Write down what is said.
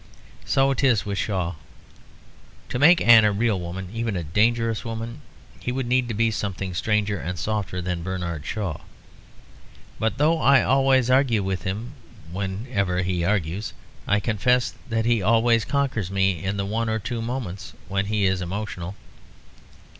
So it is with Shaw. To make Anne a real woman, even a dangerous woman, he would need to be something stranger and softer than Bernard Shaw. But though I always argue with him whenever he argues, I confess that he always conquers me in the one or two moments when he is emotional.